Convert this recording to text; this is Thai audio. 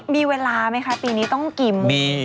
มีเวลาไหมคะปีนี้ต้องกิน